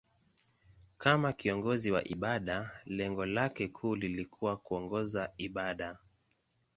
Kama kiongozi wa ibada, lengo lake kuu lilikuwa kuongoza ibada.